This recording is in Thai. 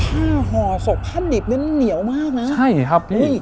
ผ้าห่อศพภาษาดิบและเหนี่ยวมากมั้ย